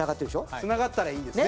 つながったらいいんですね。